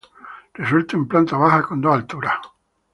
Resuelto en planta baja con dos alturas.